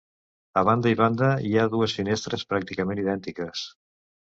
A banda i banda hi ha dues finestres pràcticament idèntiques.